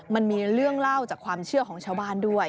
มันมีเรื่องเล่าจากความเชื่อของชาวบ้านด้วย